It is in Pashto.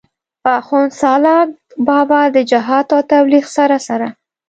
آخون سالاک بابا د جهاد او تبليغ سره سره